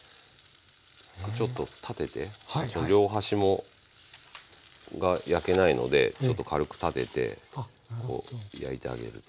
ちょっと立てて両端もが焼けないのでちょっと軽く立ててこう焼いてあげると。